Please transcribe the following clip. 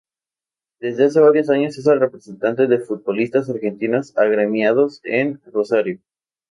Desde hace varios años es el representante de Futbolistas Argentinos Agremiados en Rosario.